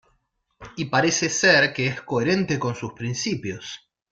y parece ser que es coherente con sus principios.